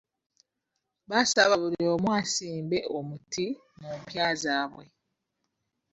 Baasaba buli omu asimbe omuti mu mpya zaabwe.